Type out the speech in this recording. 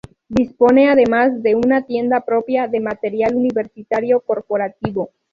Dispone además de una tienda propia de material universitario corporativo.